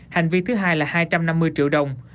hành vi thứ hai là hai trăm năm mươi triệu đồng